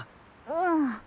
うん。